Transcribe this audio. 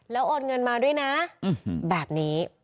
แล้วโอนเงินมาด้วยนะแบบนี้